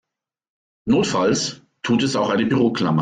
Notfalls tut es auch eine Büroklammer.